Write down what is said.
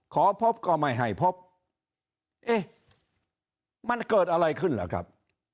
ขอพบก็ไม่ให้พบมันเกิดอะไรขึ้นเหรอครับ